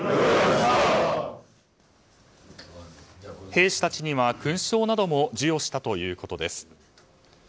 兵士たちには勲章なども授与したということです。